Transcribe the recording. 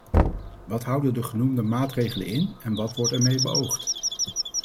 Wat houden de genoemde maatregelen in en wat wordt ermee beoogd?